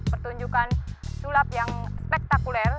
pertunjukan sulap yang spektakuler